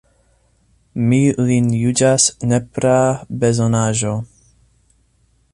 Mi ilin juĝas nepra bezonaĵo.